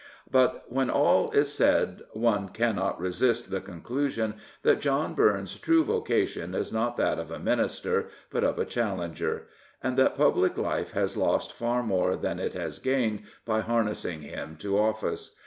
But when all is said one cannot resist the conclusion that John Bums' true vocation is not that of a minister but of a challenger, and that public life has lost far more than it has gained by harnessing him to ofi&ce.